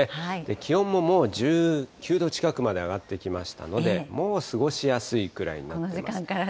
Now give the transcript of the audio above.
気温ももう１９度近くまで上がってきましたので、もう過ごしやすいくらいになってます。